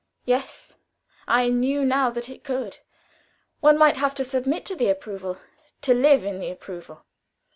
Yes, I knew now that it could; one might have to submit to the approval, to live in the approval.